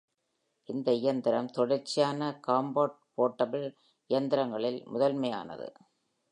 இந்த இயந்திரம் தொடர்ச்சியான காம்பேக் போர்ட்டபிள் இயந்திரங்களில் முதன்மையானது.